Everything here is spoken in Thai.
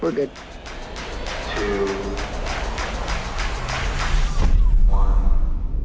ใช่เราดีกว่า